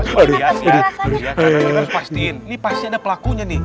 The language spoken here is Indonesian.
kita harus pastiin ini pasti ada pelakunya nih